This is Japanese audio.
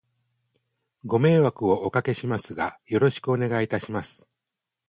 ご迷惑をお掛けしますが、よろしくお願いいたします。